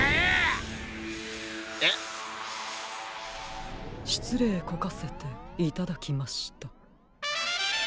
しつれいこかせていただきました。